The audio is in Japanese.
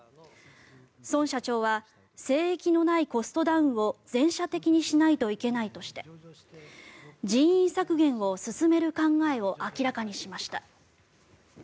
孫社長は聖域のないコストダウンを全社的にしないといけないとして人員削減を進める考えを明らかにしました。